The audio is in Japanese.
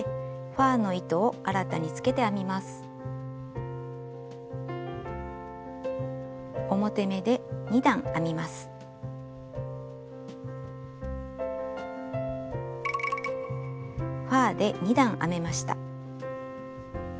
ファーで２段編めました。